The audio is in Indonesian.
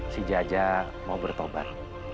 si jajah mau bertobat